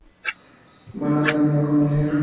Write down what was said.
Málaga en Blanco y Negro.